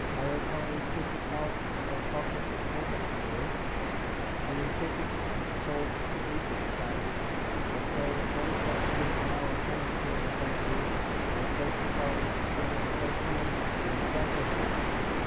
*' I accordingly took it out of my pocket and gave it to him, when he took it and tore it to pieces, saying that there was no such thing now as ministering of angels, and that if I would bring the plates to him, he would translate them.